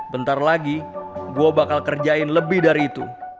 bentar lagi gue bakal kerjain lebih dari itu